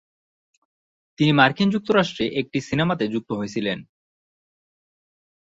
তিনি মার্কিন যুক্তরাষ্ট্রে একটি সিনেমাতে যুক্ত হয়েছিলেন।